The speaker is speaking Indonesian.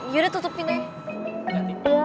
yaudah tutupin aja